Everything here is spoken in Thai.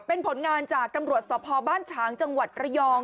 เป็นผลงานจากตำรวจสภบ้านฉางจังหวัดระยอง